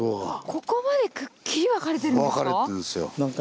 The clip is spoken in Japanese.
ここまでくっきり分かれてるんですか！